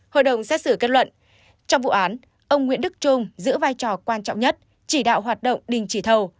hội đồng xét xử kết luận trong vụ án ông nguyễn đức trung giữ vai trò quan trọng nhất chỉ đạo hoạt động đình chỉ thầu